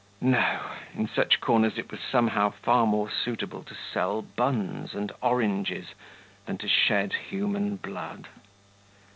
No! in such corners it was somehow far more suitable to sell buns and oranges than to shed human blood.